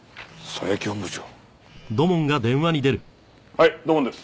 はい土門です。